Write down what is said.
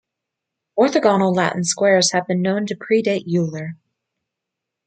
Orthogonal Latin squares have been known to predate Euler.